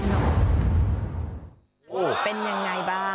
เป็นยังไงบ้าง